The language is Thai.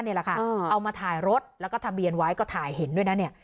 นี่แหละค่ะเอามาถ่ายรถแล้วก็ทะเบียนไว้ก็ถ่ายเห็นด้วยนะเนี่ย